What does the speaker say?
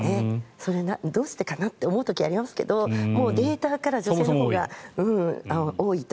どうしてかなって思う時ありますけどデータから女性のほうが多いと。